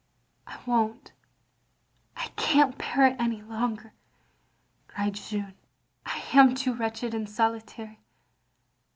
"I won't — I can't bear it any longer," cried Jeanne, "I am too wretched and solitary.